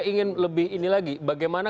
ingin lebih ini lagi bagaimana